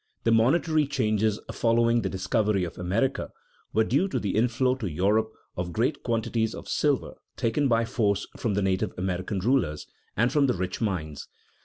_ The monetary changes following the discovery of America were due to the inflow to Europe of great quantities of silver taken by force from the native American rulers, and from the rich mines.